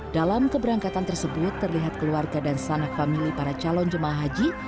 dalam keberangkatan tersebut terlihat keluarga dan sanak famili para calon jemaah haji